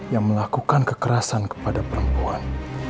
yang melakukan kekerasan kepada perempuan